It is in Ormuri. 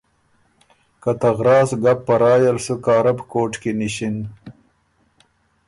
که ته غراس ګپ په رائ ال سُو کارب کوټ کی نِݭِن۔